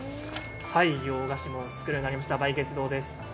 洋菓子を作るようになりました梅月堂です。